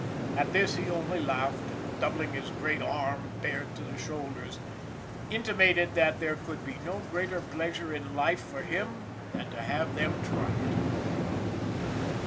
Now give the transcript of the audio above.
At this he only laughed and, doubling his great arm bared to the shoulders, intimated that there could be no greater pleasure in life for him than to have them try it.